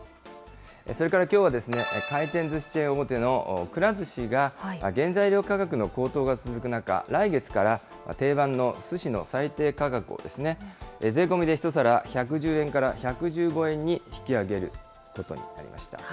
それからきょうは、回転ずしチェーン大手のくら寿司が、原材料価格の高騰が続く中、来月から、定番のすしの最低価格を、税込みで１皿１１０円から１１５円に引き上げることになりました。